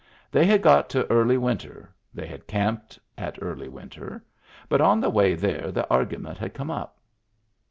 They had got to Early Winter, they had camped at Early Winter, but on the way there the argument had come up.